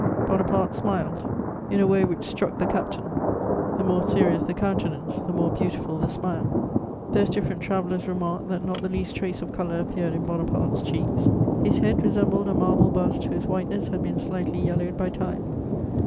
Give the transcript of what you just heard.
Bonaparte smiled in a way which struck the captain: the more serious the countenance, the more beautiful the smile. Those different travellers remarked that not the least trace of colour appeared in Bonaparte's cheeks: his head resembled a marble bust whose whiteness had been slightly yellowed by time.